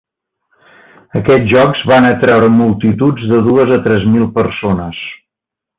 Aquests jocs van atreure multituds de dos a tres mil persones.